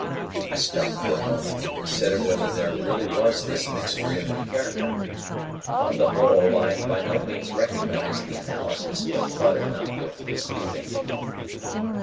I stopped for a moment to consider whether there really was this mixture in my character. On the whole, I by no means recognised the analysis, but thought it not worth disputing.